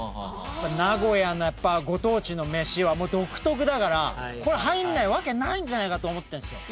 名古屋のご当地の飯は独特だから入んないわけないんじゃないかと思ってんすよ。